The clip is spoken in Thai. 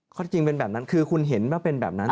จริงเป็นแบบนั้นคือคุณเห็นว่าเป็นแบบนั้น